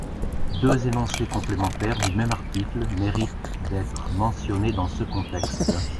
Deux énoncés complémentaires, du même article, méritent d'être mentionnés dans ce contexte.